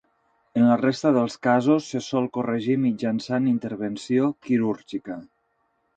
En la resta dels casos se sol corregir mitjançant intervenció quirúrgica.